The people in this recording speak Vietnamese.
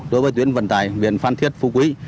đối với tuyến vận tài biển phan thiết phú quý